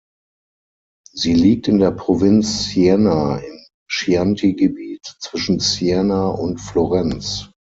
Sie liegt in der Provinz Siena, im Chianti-Gebiet zwischen Siena und Florenz.